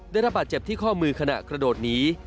ได้รับบาดเจ็บที่ข้อมือขณะกระโดดหนี